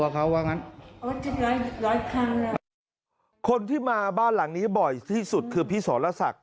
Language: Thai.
คนที่มาบ้านหลังนี้บ่อยที่สุดคือพี่สรศักดิ